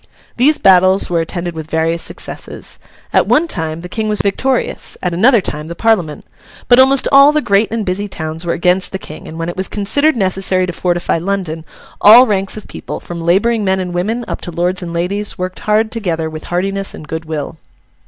These battles were attended with various successes. At one time, the King was victorious; at another time, the Parliament. But almost all the great and busy towns were against the King; and when it was considered necessary to fortify London, all ranks of people, from labouring men and women, up to lords and ladies, worked hard together with heartiness and good will.